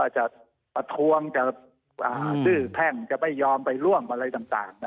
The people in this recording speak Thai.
ต้อนทรวงจะทรื้อแผ้งจะไม่ยอมไปร่วงอะไรต่าง